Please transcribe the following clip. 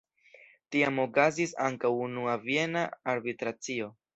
Tiam okazis ankaŭ Unua Viena Arbitracio.